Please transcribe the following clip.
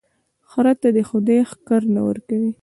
خره ته دي خداى ښکر نه ور کوي،